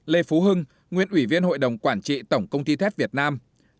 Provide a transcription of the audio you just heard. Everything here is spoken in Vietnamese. một lê phú hưng nguyễn ủy viên hội đồng quản trị tổng công ty thép việt nam